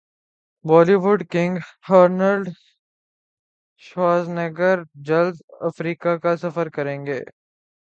Bali would king Arnold Schwarzenegger جلد افریقہ کاسفر کریں گے